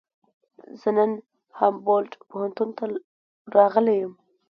زه نن هامبولټ پوهنتون ته راغلی یم.